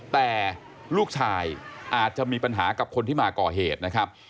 แต่ลูกชายอาจจะมีปัญหากับคนที่มาก่อเหตุนะครับ